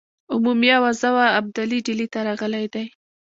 عمومي آوازه وه ابدالي ډهلي ته راغلی دی.